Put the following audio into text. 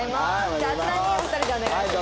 ではあちらにお二人でお願いします。